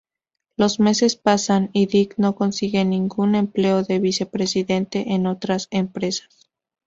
Los meses pasan y Dick no consigue ningún empleo de Vice-presidente en otras empresas.